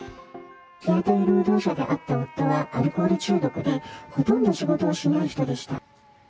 日雇い労働者であった夫は、アルコール中毒で、ほとんど仕事をしない人でした。